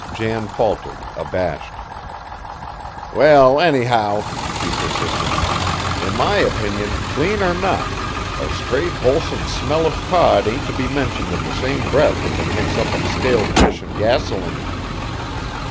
Jan faltered, abashed. "Well, anyhow," he persisted, "in my opinion, clean or not, a straight wholesome smell of cod ain't to be mentioned in the same breath with a mix up of stale fish an' gasoline."